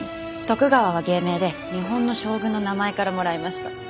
トクガワは芸名で日本の将軍の名前からもらいました。